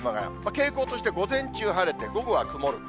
傾向として午前中晴れて、午後は曇る。